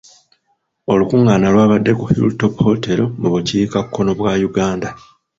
Olukungaana lw'abadde ku Hilltop hotel mu bukiikakkono bwa Uganda.